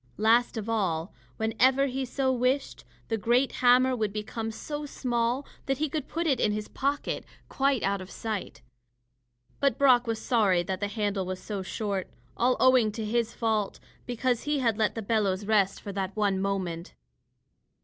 Last of all, whenever he so wished, the great hammer would become so small that he could put it in his pocket, quite out of sight. But Brock was sorry that the handle was so short all owing to his fault, because he had let the bellows rest for that one moment.